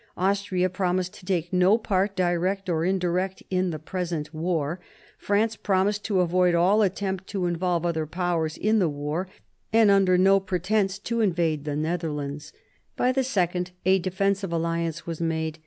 Austria promised to take no part, direct or indirect, in the present war ; France promised to avoid all attempt to involve other Powers in the war, and under no pretence to invade the Nether lands. By the second, a defensive alliance was made.